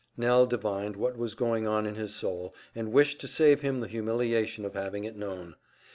Nell divined what was going on in his soul, and wished to save him the humiliation of having it known.